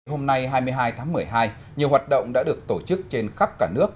hôm nay hai mươi hai tháng một mươi hai nhiều hoạt động đã được tổ chức trên khắp cả nước